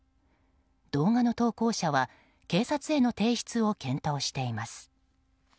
動画の投稿者は警察への提出を検討しています。